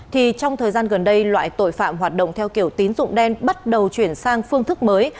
thì trong thời gian gần đây loại tội phạm hoạt động theo kiểu tín dụng đen bắt đầu chuyển sang phương thức mới